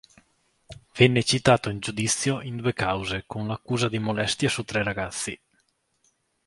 Venne citato in giudizio in due cause con l'accusa di molestie su tre ragazzi.